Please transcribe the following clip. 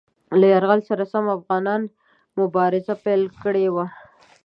له یرغل سره سم افغانانو مبارزه پیل کړې وه.